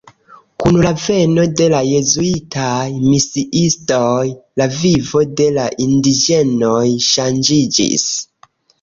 Kun la veno de la jezuitaj misiistoj la vivo de la indiĝenoj ŝanĝiĝis.